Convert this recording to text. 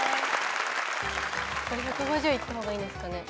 １５０いった方がいいんですかね？